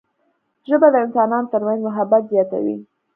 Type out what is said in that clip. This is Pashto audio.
ژبه د انسانانو ترمنځ محبت زیاتوي